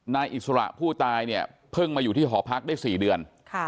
อิสระผู้ตายเนี่ยเพิ่งมาอยู่ที่หอพักได้๔เดือน